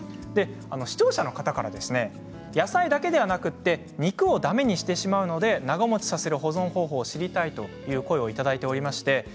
視聴者の方から野菜だけではなく肉をだめにしてしまうので長もちさせる保存方法を知りたいという声もいただきました。